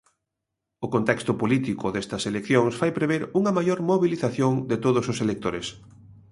O contexto político destas eleccións fai prever unha maior mobilización de todos os electores.